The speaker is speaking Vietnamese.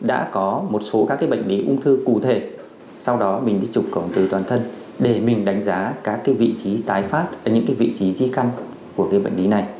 đã có một số các bệnh lý ung thư cụ thể sau đó mình đi trục cộng hồn từ toàn thân để mình đánh giá các vị trí tái phát những vị trí di căn của bệnh lý này